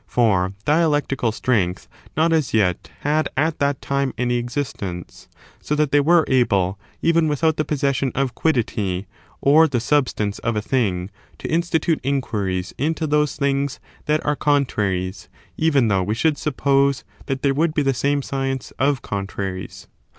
For dialectical strength not as y€lt had at that time any existence ; so that they were able, even without the possession of quiddity or the substance of a thing, to institute inquiries into those things that are contraries, even though we shotdd suppose that there would be the same science of contraries.